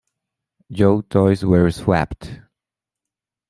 Joe toys were swapped.